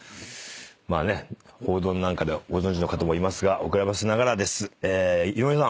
まあ報道なんかでご存じの方もいますが遅ればせながらです。